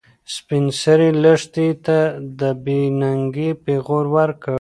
سپین سرې لښتې ته د بې ننګۍ پېغور ورکړ.